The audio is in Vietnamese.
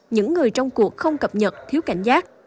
những người trong cuộc không cập nhật thiếu cảnh giác